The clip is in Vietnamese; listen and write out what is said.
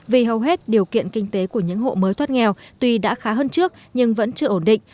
vì hầu hết điều kiện kinh tế của những hộ mới thoát nghèo tuy đã khá hơn trước nhưng vẫn chưa ổn định